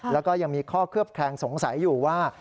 แล้วก็ยังมีข้อเคลือบแคลงสงสัยอยู่ว่า